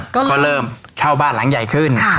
ก็เริ่มเช่าบ้านหลังใหญ่ขึ้น